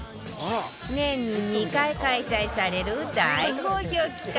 年に２回開催される大好評企画